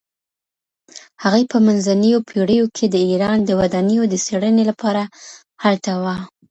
هغې په منځنیو پیړیو کې د ایران د ودانیو د څیړنې لپاره هلته وه.